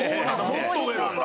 もっと上なんだ。